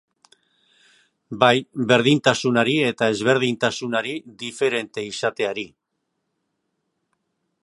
Bai, berdintasunari eta ezberdintasunari, diferente izateari.